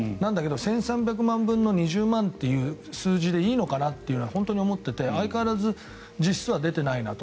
１３００万分の２０万という数字でいいのかな？と本当に思っていて相変わらず実数は出てないなと。